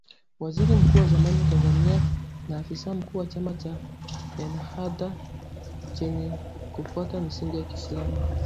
Waziri Mkuu wa zamani wa Tunisia na afisa mkuu wa chama cha Ennahdha chenye kufuata misingi ya kiislam.